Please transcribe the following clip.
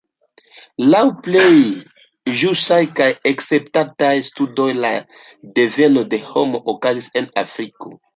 Laŭ plej ĵusaj kaj akceptataj studoj la deveno de homo okazis en Afriko.